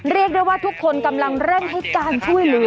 เรียกได้ว่าทุกคนกำลังเร่งให้การช่วยเหลือ